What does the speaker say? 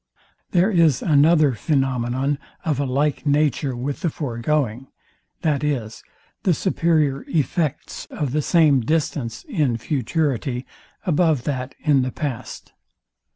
There is another phænomenon of a like nature with the foregoing, viz, the superior effects of the same distance in futurity above that in the past.